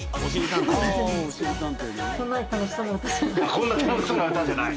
こんな楽しそうな歌じゃない？